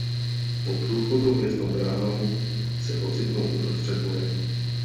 Po průchodu hvězdnou bránou se ocitnou uprostřed boje.